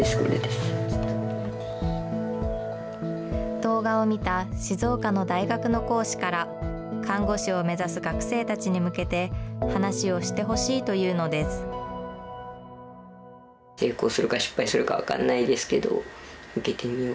動画を見た静岡の大学の講師から、看護師を目指す学生たちに向けて、話をしてほしいというのです。